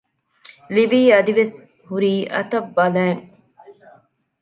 ލިވީ އަދިވެސް ހުރީ އަތަށް ބަލައިން